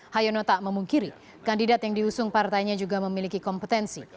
hayono tak memungkiri kandidat yang diusung partainya juga memiliki kompetensi